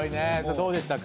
どうでしたか？